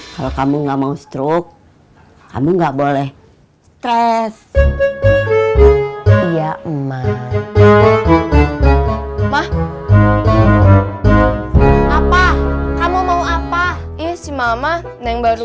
kalau kamu nggak mau stroke kamu nggak boleh tes iya emang mah apa kamu mau apa isi mama yang baru